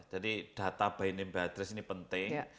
jadi data bnm beatrice ini penting